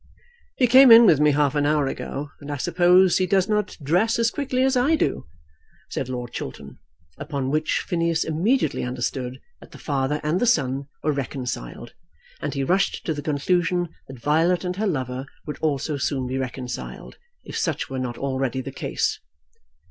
"He came in with me half an hour ago, and I suppose he does not dress as quickly as I do," said Lord Chiltern; upon which Phineas immediately understood that the father and the son were reconciled, and he rushed to the conclusion that Violet and her lover would also soon be reconciled, if such were not already the case.